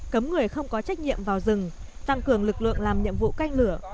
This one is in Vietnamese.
cấm người không có trách nhiệm vào rừng tăng cường lực lượng làm nhiệm vụ canh lửa